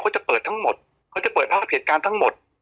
เขาจะเปิดภาพเหตุการณ์ทั้งหมด